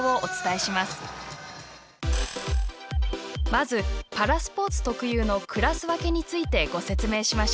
まずパラスポーツ特有のクラス分けについてご説明しましょう。